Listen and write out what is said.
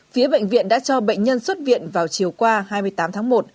phía bệnh viện đã cho bệnh nhân xuất viện vào chiều qua hai mươi tám tháng một